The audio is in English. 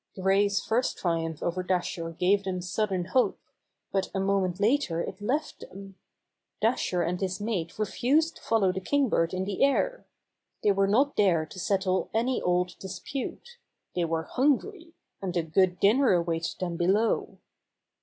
Gray's first triumph over Dasher gave them sudden hope, but a moment later it left them. Dasher and his mate refused to follow the Kingbird in the air. They were not there to settle any old dispute. They were hungry, and a good dinner awaited them below.